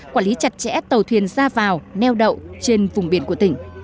quản lý chặt chẽ tàu thuyền ra vào neo đậu trên vùng biển của tỉnh